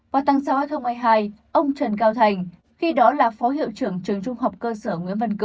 họa tăng sáu hai nghìn hai mươi hai ông trần cao thành khi đó là phó hiệu trưởng trường trung học cơ sở nguyễn văn cử